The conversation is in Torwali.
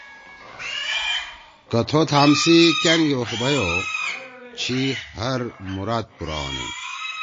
کہ تُو تھام سی کأنگے اُوخُ بھیئی او چھی ہر مراد پُورا ہونیِن۔“